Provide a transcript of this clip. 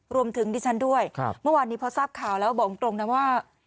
รวมถึงดิฉันด้วยครับเมื่อวานนี้พอทราบข่าวแล้วบอกตรงตรงนั้นว่า